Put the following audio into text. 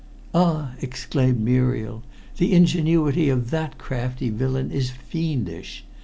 "Ah!" exclaimed Muriel. "The ingenuity of that crafty villain is fiendish.